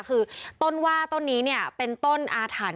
คือต้นว่าต้นนี้เนี่ยเป็นต้นอาถรรพ